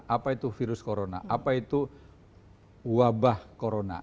apa itu virus corona apa itu wabah corona